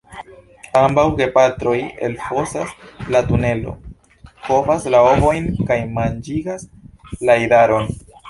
Ambaŭ gepatroj elfosas la tunelo, kovas la ovojn kaj manĝigas la idaron.